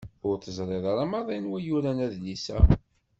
Ur teẓriḍ ara maḍi anwa yuran adlis-a?